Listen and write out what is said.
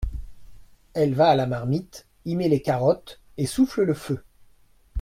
Elle va à la marmite, y met les carottes et souffle le feu.